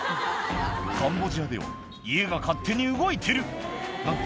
カンボジアでは家が勝手に動いてる何で？